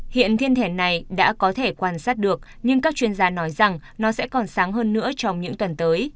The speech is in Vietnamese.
hiện thiên thẻ này đã có thể quan sát được nhưng các chuyên gia nói rằng nó sẽ còn sáng hơn nữa trong những tuần tới